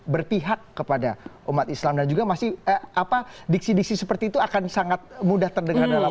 berpihak kepada umat islam dan juga masih diksi diksi seperti itu akan sangat mudah terdengar dalam